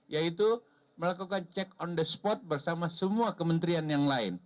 yaitu melakukan cek on the spot bersama semua kementerian yang lain